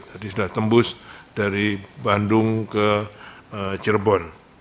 jadi sudah tembus dari bandung ke cirebon